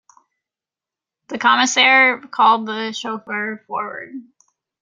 The Commissaire called the chauffeur forward.